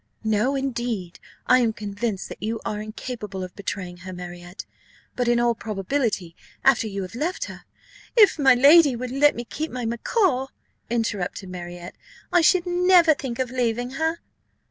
"No, indeed, I am convinced that you are incapable of betraying her, Marriott; but in all probability after you have left her " "If my lady would let me keep my macaw," interrupted Marriott, "I should never think of leaving her."